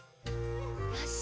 よし。